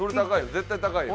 絶対高いよ。